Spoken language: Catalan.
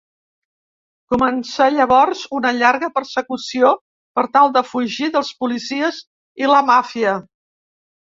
Comença llavors una llarga persecució per tal de fugir dels policies i la màfia.